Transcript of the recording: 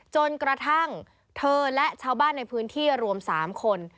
จนกระทั่งเธอและชาวบ้านในพื้นที่รวม๓คน